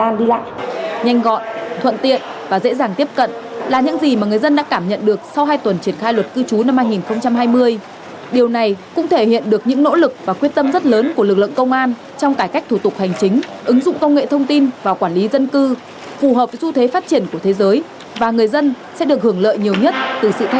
những người dân đã cảm nhận được sau hai tuần triển khai luật cư trú năm hai nghìn hai mươi điều này cũng thể hiện được những nỗ lực và quyết tâm rất lớn của lực lượng công an trong cải cách thủ tục hành chính ứng dụng công nghệ thông tin và quản lý dân cư phù hợp với xu thế phát triển của thế giới và người dân sẽ được hưởng lợi nhiều nhất từ sự thay đổi toàn diện này